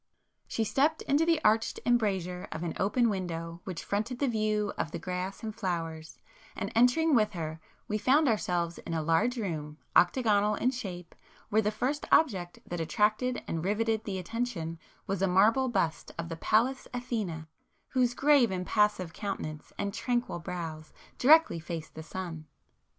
She stepped into the arched embrasure of an open window which fronted the view of the grass and flowers, and entering with her we found ourselves in a large room, octagonal in shape, where the first object that attracted and riveted the [p 236] attention was a marble bust of the Pallas Athene whose grave impassive countenance and tranquil brows directly faced the sun.